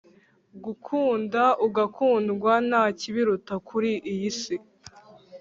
Gukunda ugakundwa ntakibiruta kuri iyi si